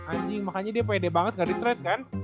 anjing makanya dia pede banget gak retret kan